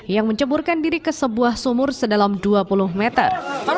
yang menceburkan diri ke sebuah sumur sedalam dua puluh meter